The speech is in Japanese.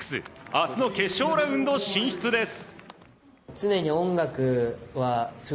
明日の決勝ラウンド進出です。